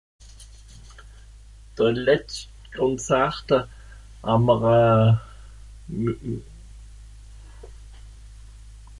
De Letscht Konzarte, haa'mr euh...